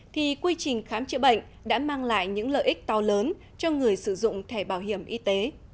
thì quy trình khám chữa bệnh đã mang lại những lợi ích to lớn cho người sử dụng thẻ bảo hiểm y tế